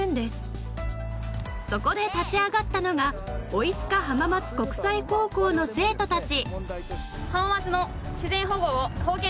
そこで立ち上がったのがオイスカ浜松国際高校の生徒たち。